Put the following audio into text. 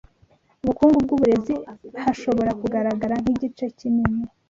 ubukungu bwuburezi hashobora kugaragara nkigice kinini